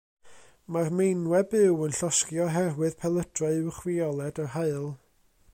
Mae'r meinwe byw yn llosgi oherwydd pelydrau uwchfioled yr haul.